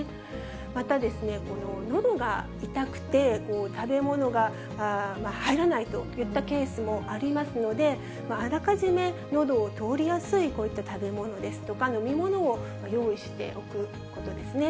また、のどが痛くて、食べ物が入らないといったケースもありますので、あらかじめのどを通りやすいこういった食べ物ですとか飲み物を用意しておくことですね。